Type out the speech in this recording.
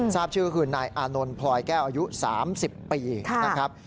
ทราบชื่อคือนายอานนท์พลอยแก้วอายุ๓๐ปีนะครับ